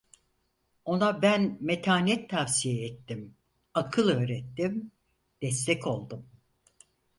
Ona ben metanet tavsiye ettim, akıl öğrettim, destek oldum.